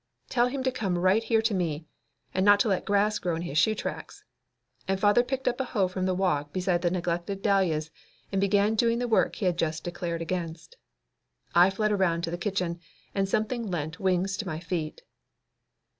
Tell him to come right here to me, and not to let grass grow in his shoe tracks," and father picked up a hoe from the walk beside the neglected dahlias and began doing the work he had just declared against. I fled around to the kitchen, and something lent wings to my feet.